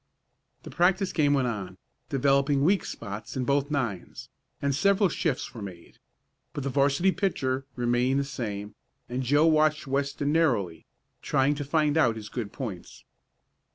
The practice game went on, developing weak spots in both nines, and several shifts were made. But the 'varsity pitcher remained the same, and Joe watched Weston narrowly, trying to find out his good points.